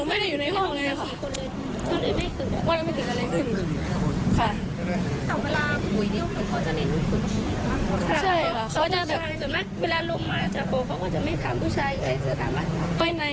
ไปกินอะไรไม่ได้ส่งคุณอะไรแบบนี้